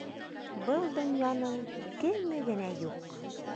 Был донъяның кеме генә юҡ.